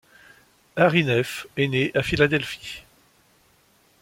Hari Nef est née à Philadelphie.